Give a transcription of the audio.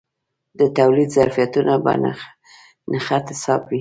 د تولید ظرفیتونه په نشت حساب وي.